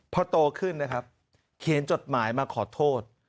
พอโตขึ้นนะครับเขียนจดหมายมาขอโทษ